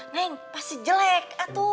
neng pasti jelek